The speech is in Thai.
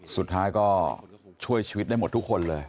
สุดท้ายก็ช่วยชีวิตได้หมดทุกคนเลย